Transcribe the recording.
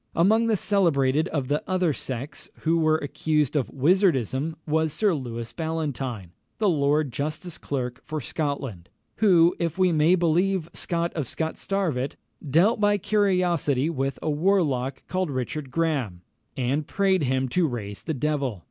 Among the celebrated of the other sex who were accused of wizardism was Sir Lewis Ballantyne, the Lord Justice Clerk for Scotland, who, if we may believe Scot of Scotstarvet, "dealt by curiosity with a warlock called Richard Grahame," and prayed him to raise the devil.